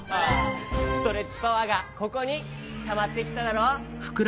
ストレッチパワーがここにたまってきただろ。